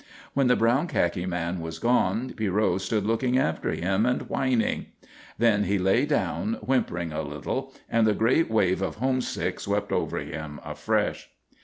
When the brown khaki man was gone Pierrot stood looking after him and whining. Then he lay down, whimpering a little, and the great wave of homesickness swept over him afresh.